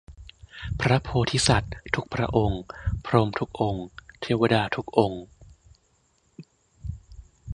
พระโพธิสัตว์ทุกพระองค์ พรหมทุกองค์ เทวดาทุกองค์